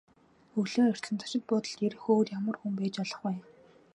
Өглөө эртлэн зочид буудалд ирэх өөр ямар хүн байж болох вэ?